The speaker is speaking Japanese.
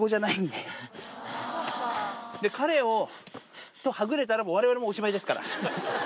で、彼とはぐれたら、もうわれわれもおしまいですから。